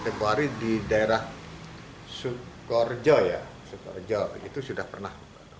dekuari di daerah sukorjo ya itu sudah pernah